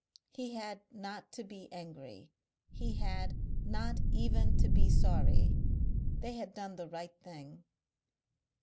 He had not to be angry, he had not even to be sorry. They had done the right thing.